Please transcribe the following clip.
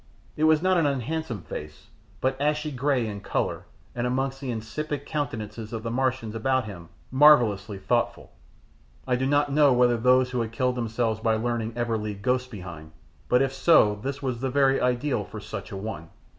It was not an unhandsome face, but ashy grey in colour and amongst the insipid countenances of the Martians about him marvellously thoughtful. I do not know whether those who had killed themselves by learning ever leave ghosts behind, but if so this was the very ideal for such a one.